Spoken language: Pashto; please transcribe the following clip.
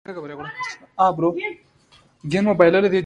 هلته یې کامیابه عملي طرحه نه ده تطبیق کړې.